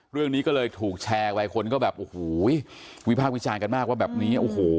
เรื่องนี้ก็เลยถูกแชร์ไปคนก็แบบโอ้โหวิพากษ์วิจารณ์กันมากว่าแบบนี้โอ้โห